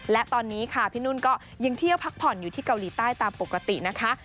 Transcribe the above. และตอนนี้ค่ะพี่นุ่นก็ยังเที่ยวพักผ่อนอยู่ที่เกาหลีใต้ตามปกตินะคะ